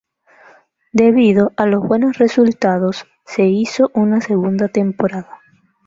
Debido a los buenos resultados, se hizo una segunda temporada.